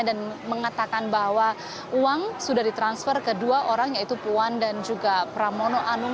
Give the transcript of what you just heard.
dan mengatakan bahwa uang sudah ditransfer ke dua orang yaitu puan dan juga pramono anung